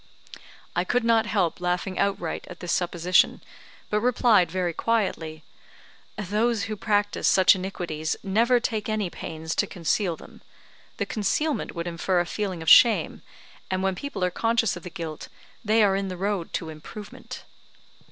I could not help laughing outright at this supposition, but replied very quietly, "Those who practice such iniquities never take any pains to conceal them. The concealment would infer a feeling of shame; and when people are conscious of the guilt, they are in the road to improvement."